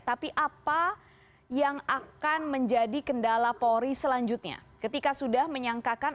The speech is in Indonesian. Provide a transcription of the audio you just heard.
tapi apa yang akan menjadi kendala polri selanjutnya ketika sudah menyangkakan